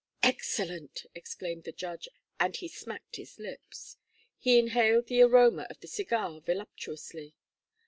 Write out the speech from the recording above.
"Excellent!" exclaimed the judge, and he smacked his lips. He inhaled the aroma of the cigar voluptuously.